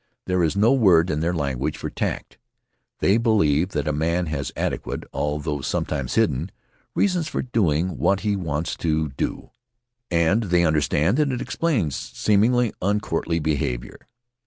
There is no word in their language for tact. They believe that a man has adequate, although sometimes hidden, reasons for doing what he wants to [ 144] A Debtor of Moy Ling do, and they understand that it explains seemingly uncourtly behavior.